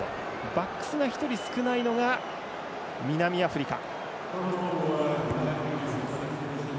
バックスが１人少ないのが南アフリカ。